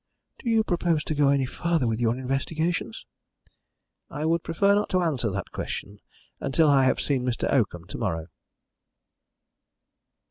"Do you propose to go any further with your investigations?" "I would prefer not to answer that question until I have seen Mr. Oakham to morrow."